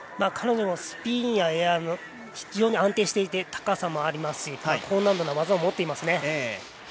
彼女のスピンやエアは安定していて高さもありますし、高難度の技を持っていますね。